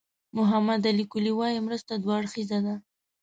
محمد علي کلي وایي مرسته دوه اړخیزه ده.